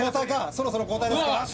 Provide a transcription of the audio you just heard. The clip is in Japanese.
そろそろ交代ですか？